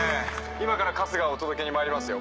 今から春日をお届けにまいりますよ。